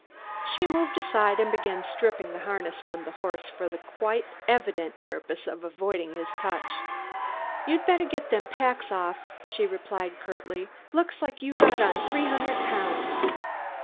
She moved aside and began stripping the harness from the horse for the quite evident purpose of avoiding his touch. "You'd better get them packs off," she replied, curtly. "Looks like you'd got on three hundred pounds."